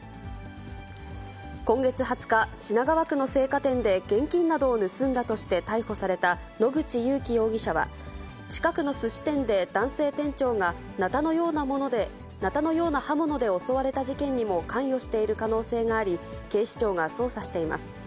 今月２０日、品川区の青果店で現金などを盗んだとして逮捕された野口勇樹容疑者は、近くのすし店で男性店長が、なたのような刃物で襲われた事件にも関与している可能性があり、警視庁が捜査しています。